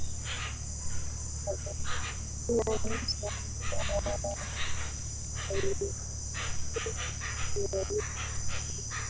yatabarikiwa Musa mwanaharakati aliyewakomboa watu wa Israeli kutoka